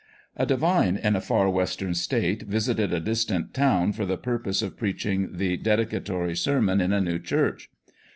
A divine in a Far Western State visited a distant town for the purpose of preaching the dedicatory sermon in a new church.